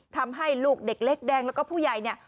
ทำให้ลูกเด็กเล็กแดงแล้วก็ผู้ใหญ่เนี่ย